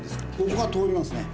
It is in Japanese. ここは通りますね。